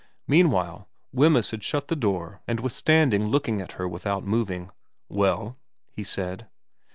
Meanwhile Wemyss had shut the door and was stand ing looking at her without moving. ' Well ?' he said.